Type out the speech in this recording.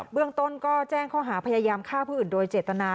เบื้องต้นก็แจ้งข้อหาพยายามฆ่าผู้อื่นโดยเจตนา